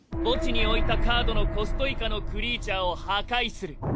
墓地に置いたカードのコスト以下のクリーチャーを破壊する。